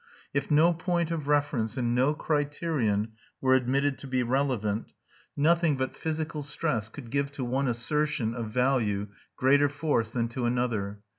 If no point of reference and no criterion were admitted to be relevant, nothing but physical stress could give to one assertion of value greater force than to another.